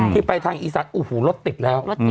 ที่ไปทางอีสัตริย์โอ้โหรถติดแล้ว